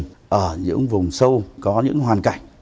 trong những vùng sâu có những hoàn cảnh